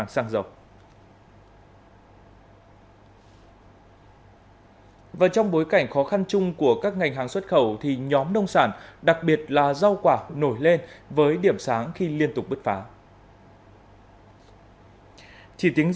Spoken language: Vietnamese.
xăng ron chín mươi năm giữ nguyên ở mức hai mươi hai một mươi đồng một lít